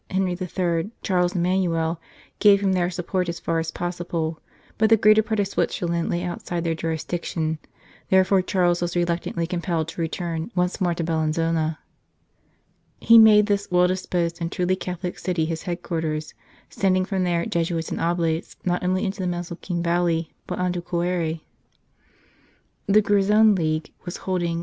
Henry III., Charles Emmanuel, gave him their support as far as possible ; but the greater part of Switzerland lay outside their jurisdiction, therefore Charles was reluctantly compelled to return once more to Bellinzona. He made this well disposed and truly Catholic city his headquarters, sending from there Jesuits and Oblates not only into the Mesolcine Valley, but on to Coire. The Grison League was holding 218 " What went you out to see ?"